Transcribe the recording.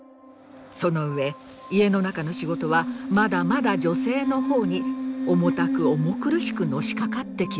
その上家の中の仕事はまだまだ女性の方に重たく重苦しくのしかかってきます。